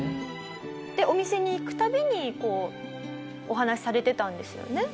お店に行く度にこうお話しされていたんですよね？